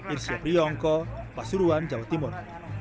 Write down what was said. irsyap riongko pasuruan jawa timur